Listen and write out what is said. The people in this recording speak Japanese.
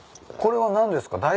これは何ですか？